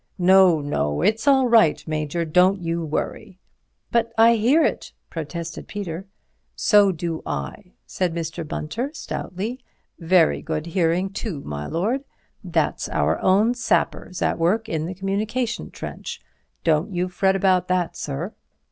"No, no—it's all right, Major—don't you worry." "But I hear it," protested Peter. "So do I," said Mr. Bunter stoutly; "very good hearing, too, my lord. That's our own sappers at work in the communication trench. Don't you fret about that, sir."